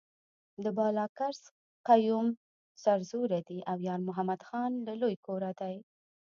د بالاکرز قیوم سرزوره دی او یارمحمد خان له لوی کوره دی.